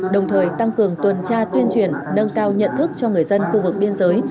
đồng thời tăng cường tuần tra tuyên truyền nâng cao nhận thức cho người dân khu vực biên giới